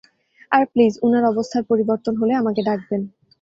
আর please উনার অবস্থার পরিবর্তন হলে আমাকে ডাকবেন।